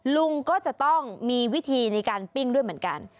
ลุงก็จะต้องมีวิธีในการปิ้งด้วยเหมือนกัน